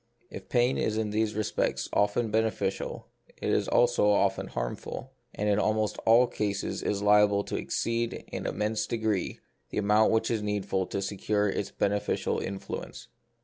If pain is in these re spects often beneficial, it is also often harmful ; and in almost all cases it is liable to exceed, in an immense degree, the amount which is needful to secure its beneficial influence.